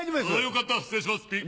よかった失礼しますピッ。